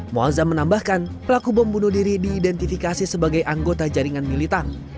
mualza menambahkan pelaku bom bunuh diri diidentifikasi sebagai anggota jaringan militan